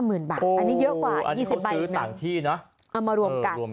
หมื่นบาทอันนี้เยอะกว่าอันนี้เขาซื้อต่างที่น่ะเอามารวม